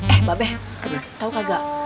eh babe tau kagak